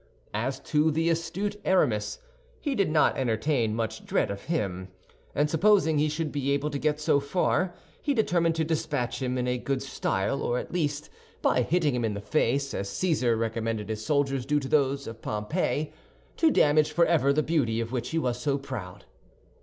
As to the astute Aramis, he did not entertain much dread of him; and supposing he should be able to get so far, he determined to dispatch him in good style or at least, by hitting him in the face, as Cæsar recommended his soldiers do to those of Pompey, to damage forever the beauty of which he was so proud.